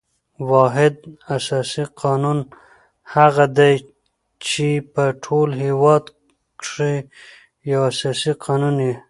واحد اساسي قانون هغه دئ، چي په ټول هیواد کښي یو اساسي قانون يي.